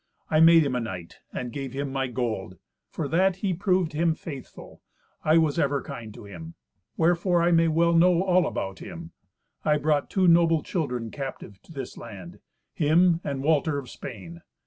I made him a knight, and gave him my gold. For that he proved him faithful, I was ever kind to him. Wherefore I may well know all about him. I brought two noble children captive to this land—him and Walter of Spain.